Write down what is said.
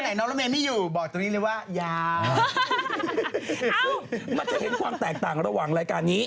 อ้าวมันจะเห็นความแตกต่างระหว่างรายการนี้